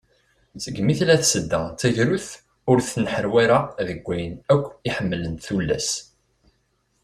Segmi tella Tasedda d tagrudt, ur tenḥarwi ara deg wayen akk i ḥemmlent tullas.